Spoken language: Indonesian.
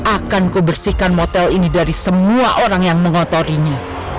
akan ku bersihkan motel ini dari semua orang yang mengotori nya